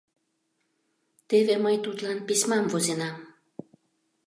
Теве мый тудлан письмам возенам.